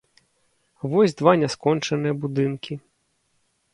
Вось два няскончаныя будынкі.